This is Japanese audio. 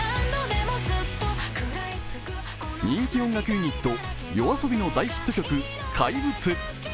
人気音楽ユニット・ＹＯＡＳＯＢＩの大ヒット曲「怪物」。